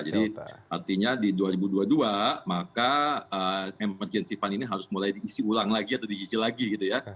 jadi artinya di tahun dua ribu dua puluh dua maka emergency fund ini harus mulai diisi ulang lagi atau dicicil lagi gitu ya